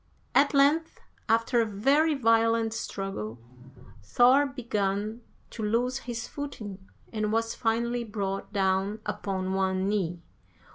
At length, after a very violent struggle, Thor began to lose his footing, and was finally brought down upon one knee.